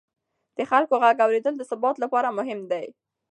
د خلکو غږ اورېدل د ثبات لپاره مهم دي